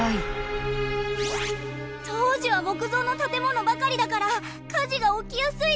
当時は木造の建物ばかりだから火事が起きやすいですよね。